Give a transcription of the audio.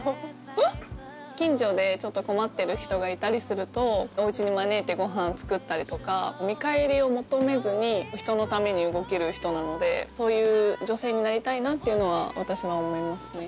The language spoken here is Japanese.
近所でちょっと困ってる人がいたりするとお家に招いてごはん作ったりとか見返りを求めずにひとのために動ける人なのでそういう女性になりたいなっていうのは私は思いますね。